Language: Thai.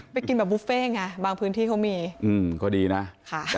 กินแบบบุฟเฟ่ไงบางพื้นที่เขามีอืมก็ดีนะค่ะ